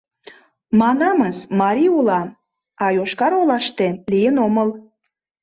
Манамыс, марий улам, а Йошкар-Олаштем лийын омыл.